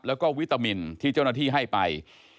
แล้วก็วิตามินที่เจ้าหน้าที่ให้ไป